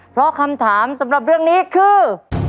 เพราะคำถามสำหรับเรื่องนี้คือ